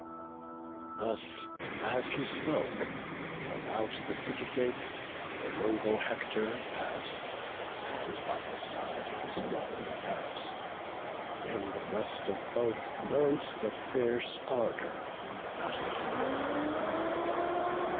BOOK VII. Thus as he spoke, from out the city gates The noble Hector pass'd, and by his side His brother Paris; in the breast of both Burnt the fierce ardour of the battle field.